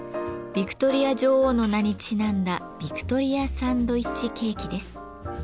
ビクトリア女王の名にちなんだビクトリアサンドイッチケーキです。